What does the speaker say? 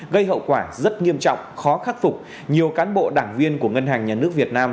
gây hậu quả rất nghiêm trọng khó khắc phục nhiều cán bộ đảng viên của ngân hàng nhà nước việt nam